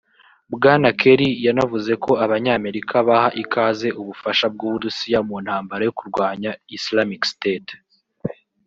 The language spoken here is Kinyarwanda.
Bwana Kerry yanavuze ko Abanyamerika baha ikaze ubufasha bw’Uburusiya mu ntambara yo kurwanya Islamic State